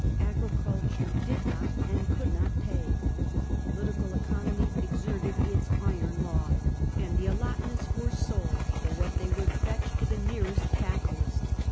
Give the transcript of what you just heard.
Agriculture did not, and could not, pay; political economy exerted its iron law, and the allotments were sold, for what they would fetch, to the nearest capitalist.